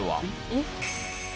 えっ？